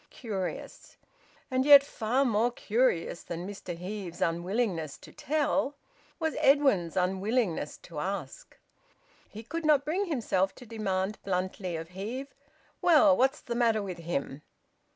... Curious! And yet far more curious than Mr Heve's unwillingness to tell, was Edwin's unwillingness to ask. He could not bring himself to demand bluntly of Heve: "Well, what's the matter with him?"